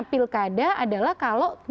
pilkada adalah kalau